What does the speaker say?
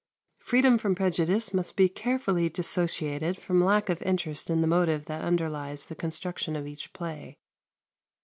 Freedom from prejudice must be carefully dissociated from lack of interest in the motive that underlies the construction of each play.